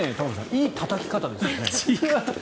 いいたたき方ですよね。